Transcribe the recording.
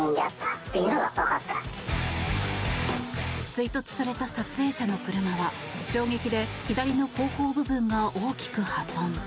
追突された撮影者の車は衝撃で左の後方部分が大きく破損。